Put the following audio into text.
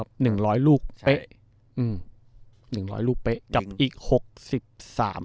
หนึ่งร้อยลูกเป๊ะอืมหนึ่งร้อยลูกเป๊ะกับอีกหกสิบสาม